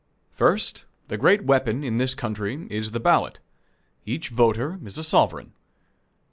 First, the great weapon in this country is the ballot. Each voter is a sovereign.